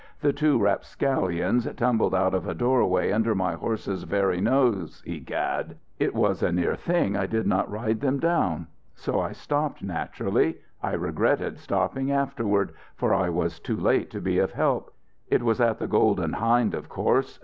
The two rapscallions tumbled out of a doorway under my horse's very nose, egad! It was a near thing I did not ride them down. So I stopped, naturally. I regretted stopping, afterward, for I was too late to be of help. It was at the Golden Hind, of course.